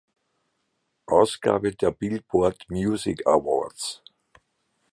Ausgabe der Billboard Music Awards.